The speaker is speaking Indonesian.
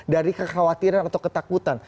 dari kekhawatiran atau ketakutan